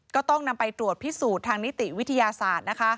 ก็ต้องนำไปตรวจพิสูจน์ทางนิติวิทยาศาสตร์นะคะ